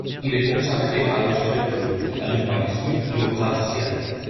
Il est consacré à l'architecture, à l'urbanisme et aux gratte-ciel.